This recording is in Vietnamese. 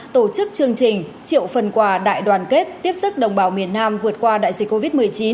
tổ chức chương trình triệu phần quà đại đoàn kết tiếp sức đồng bào miền nam vượt qua đại dịch covid một mươi chín